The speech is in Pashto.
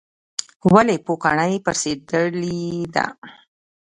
ولې پوکڼۍ پړسیدلې ده؟